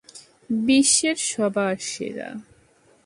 বিশ্বের সবার সেরা।